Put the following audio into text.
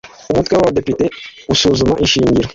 umutwe w abadepite usuzuma ishingiro